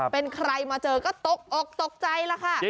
เป็นใครมาเจอก็ตกอกตกใจแล้วค่ะ